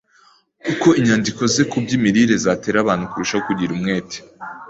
uko inyandiko ze ku by’imirire zatera abantu kurushaho kugira umwete